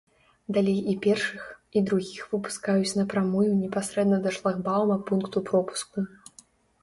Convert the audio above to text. Далей і першых, і другіх выпускаюць на прамую непасрэдна да шлагбаума пункту пропуску.